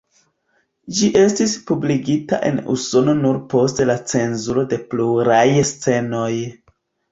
Ĝi estis publikigita en Usono nur post la cenzuro de pluraj scenoj.